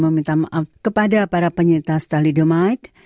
meminta maaf kepada para penyintas talidomide